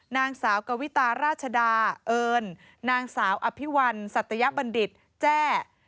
นางสาวกวิตาราชดาเอิญนางสาวอภิวัลสัตยบัณฑิตแจ้